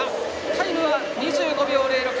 タイムは２５秒０６。